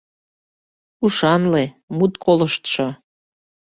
Ушанле, мут колыштшо.